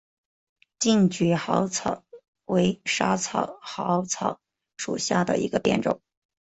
近蕨嵩草为莎草科嵩草属下的一个变种。